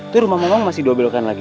tuh rumah mohong masih dua belokan lagi